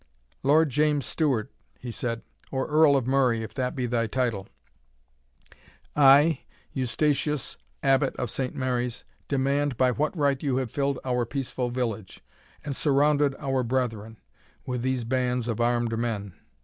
"Lord James Stewart," he said, "or Earl of Murray, if that be thy title, I, Eustatius, Abbot of Saint Mary's, demand by what right you have filled our peaceful village, and surrounded our brethren, with these bands of armed men?